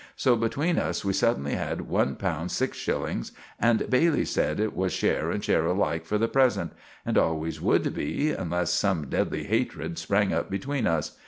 So between us we suddinly had one pound six shillings, and Bailey sed it was share and share alike for the present, and always would be unless some dedly hatred sprang up between us.